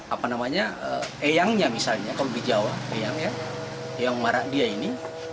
apa namanya eyangnya misalnya kalau di jawa eyangnya eyang marah dia ini